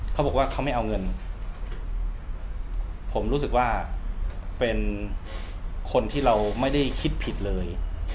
เขาบอกว่าเขาไม่เอาเงินผมรู้สึกว่าเป็นคนที่เราไม่ได้คิดผิดเลย